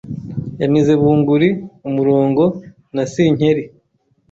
Yamize bunguri, umurongo na sinkeri.